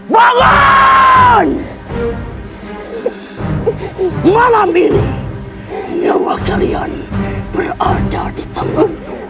malam malam ini nyawa kalian berada di tanganmu